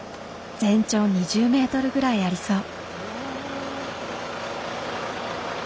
全長２０メートルぐらいありそう。